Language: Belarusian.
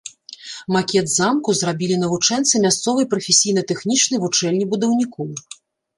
Макет замку зрабілі навучэнцы мясцовай прафесійна-тэхнічнай вучэльні будаўнікоў.